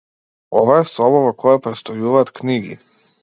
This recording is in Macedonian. Ова е соба во која престојуваат книги.